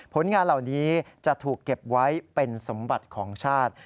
ผลงานเหล่านี้จะถูกเก็บไว้เป็นสมบัติของชาติ